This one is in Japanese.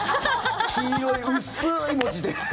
黄色い薄い文字で。